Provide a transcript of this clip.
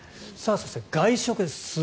そして、外食です。